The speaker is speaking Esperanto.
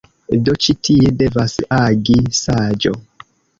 Do, ĉi tie devas agi saĝo.